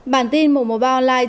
bản tin mùa mùa ba online